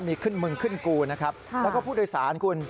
มีขึ้นมึงขึ้นกูนะครับแล้วก็ผู้โดยสารคุณ